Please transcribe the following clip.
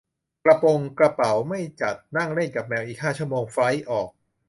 กระป๋งกระเป๋าไม่จัด นั่งเล่นกับแมวอีกห้าชั่วโมงไฟลท์ออก